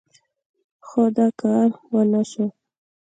خو دا کار ونه شو.